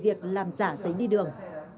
vì việc làm giả giấy đi đường